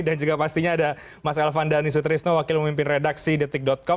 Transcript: dan juga pastinya ada mas elvan dhani sutrisno wakil memimpin redaksi detik com